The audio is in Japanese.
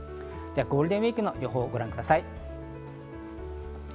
ゴールデンウイークの予報をご覧ください。